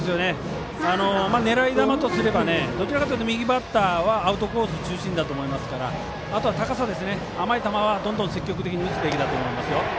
狙い球とすればどちらかといえば右バッターはアウトコース中心だと思いますからあとは甘い球は、どんどん積極的に打つべきだと思いますよ。